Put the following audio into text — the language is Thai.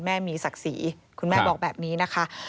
แม่มีศักดิ์ศรีคุณแม่บอกแบบนี้นะคะ